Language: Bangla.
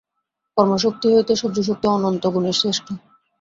কর্মশক্তি হইতে সহ্যশক্তি অনন্তগুণে শ্রেষ্ঠ।